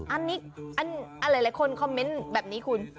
อันนี้หลายคนคอมเมนต์แบบนี้คุณ